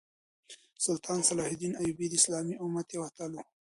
سلطان صلاح الدین ایوبي د اسلامي امت یو اتل وو.